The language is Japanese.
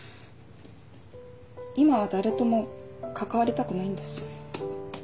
今は誰とも関わりたくないんです。